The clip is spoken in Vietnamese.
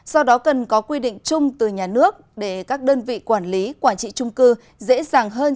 do đó cần có quy định chung từ nhà nước để các đơn vị quản lý quản trị trung cư dễ dàng hơn